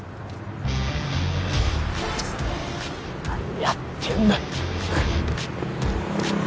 何やってんだ